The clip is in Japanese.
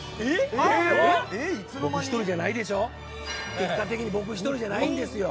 結果的に僕１人じゃないんですよ。